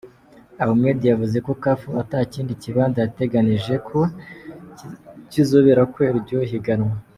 Ahmad yavuze ko Caf ata kindi kibanza yategekanije kizoberako iryo higanwa.